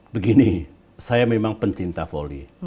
begini saya memang pencinta voli